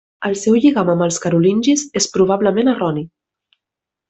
El seu lligam amb els carolingis és probablement erroni.